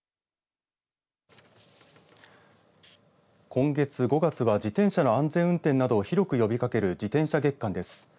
今月５月は自転車の安全運転などを広く呼びかける自転車月間です。